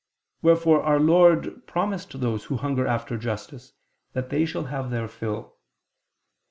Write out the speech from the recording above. Wherefore Our Lord promised those who hunger after justice, that they shall have their fill.